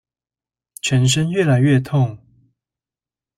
全身越來越痛